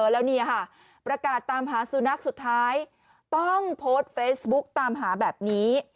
แล้วนี่ค่ะประกาศตามหาสุนัขสุดท้ายต้องโพสต์เฟซบุ๊กตามหาแบบนี้